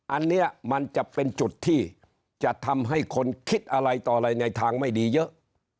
อันนี้มันจะเป็นจุดที่จะทำให้คนคิดอะไรต่ออะไรในทางไม่ดีเยอะ